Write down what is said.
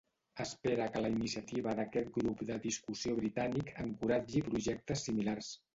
Espera que la iniciativa d’aquest grup de discussió britànic encoratgi projectes similars.